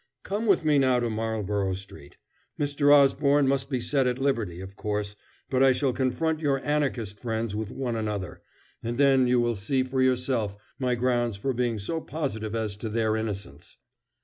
Come with me now to Marlborough Street. Mr. Osborne must be set at liberty, of course, but I shall confront your Anarchist friends with one another, and then you will see for yourself my grounds for being so positive as to their innocence."